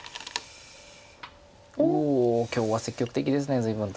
おお今日は積極的です随分と。